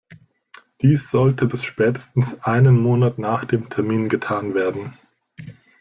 Dies sollte bis spätestens einen Monat nach dem Termin getan werden.